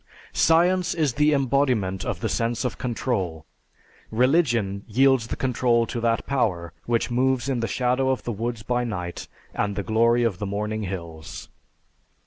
Science is the embodiment of the sense of control, religion yields the control to that power which moves in the shadow of the woods by night, and the glory of the morning hills....